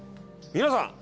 皆さん。